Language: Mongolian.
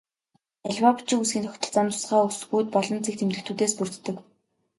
Аливаа бичиг үсгийн тогтолцоо нь тусгай үсгүүд болон цэг тэмдэгтүүдээс бүрддэг.